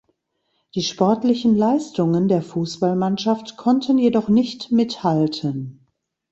Die sportlichen Leistungen der Fußballmannschaft konnten jedoch nicht mithalten.